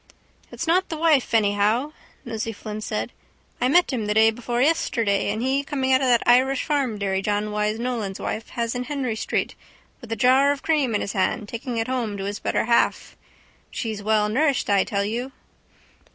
—It's not the wife anyhow, Nosey Flynn said. I met him the day before yesterday and he coming out of that Irish farm dairy John Wyse Nolan's wife has in Henry street with a jar of cream in his hand taking it home to his better half. She's well nourished, I tell you.